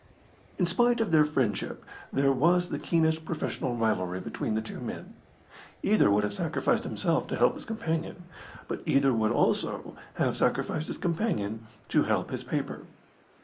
In spite of their friendship there was the keenest professional rivalry between the two men. Either would have sacrificed himself to help his companion, but either would also have sacrificed his companion to help his paper.